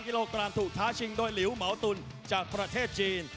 กิโลกรัมถูกท้าชิงโดยหลิวเหมาตุลจากประเทศจีน